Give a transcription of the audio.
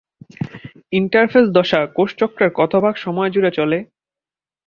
Interphase দশা কোষচক্রের কত ভাগ সময় জুড়ে চলে?